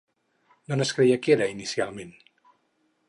D'on es creia que era, inicialment?